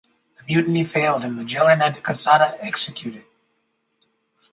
The mutiny failed and Magellan had Quesada executed.